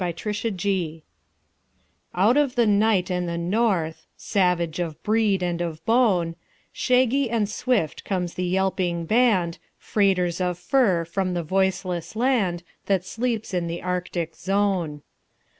THE TRAIN DOGS Out of the night and the north; Savage of breed and of bone, Shaggy and swift comes the yelping band, Freighters of fur from the voiceless land That sleeps in the Arctic zone.